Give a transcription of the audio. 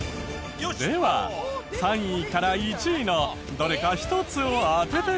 では３位から１位のどれか１つを当ててください。